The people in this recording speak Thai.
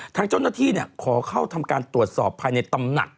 ทางเจ้าหน้าที่ขอเข้าทำการตรวจสอบภายในตำหนัก